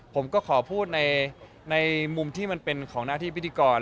ผมก็ขอพูดในมุมที่มันเป็นของหน้าที่พิธีกร